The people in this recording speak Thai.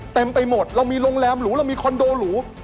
เต็มไปหมดเรามีโรงแรมหรูเรามีคอนโดหรู